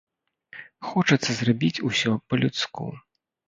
Хочацца зрабіць усё па-людску.